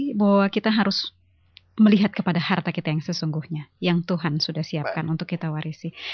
motivasi bahwa kita harus melihat kepada harta kita yang sesungguhnya yang tuhan sudah siapkan untuk kita warisi